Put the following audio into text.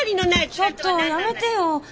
ちょっとやめてよ！